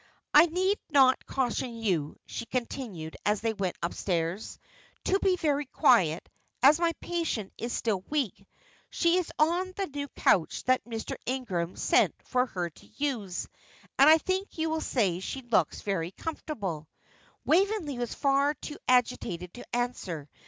I need not caution you," she continued, as they went upstairs, "to be very quiet, as my patient is still weak. She is on the new couch that Mr. Ingram sent for her use, and I think you will say she looks very comfortable." Waveney was far too agitated to answer.